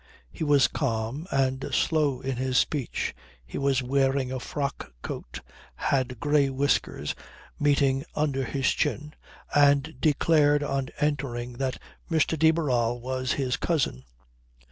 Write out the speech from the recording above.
He was calm and slow in his speech. He was wearing a frock coat, had grey whiskers meeting under his chin, and declared on entering that Mr. de Barral was his cousin.